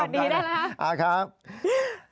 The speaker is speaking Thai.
สวัสดีได้แล้วนะ